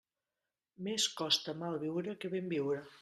Més costa mal viure que ben viure.